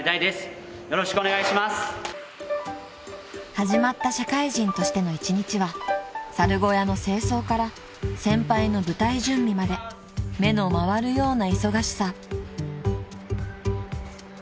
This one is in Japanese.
［始まった社会人としての一日は猿小屋の清掃から先輩の舞台準備まで目の回るような忙しさ］